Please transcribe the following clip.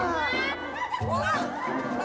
rasanya tu dia